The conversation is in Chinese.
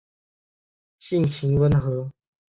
性情温和。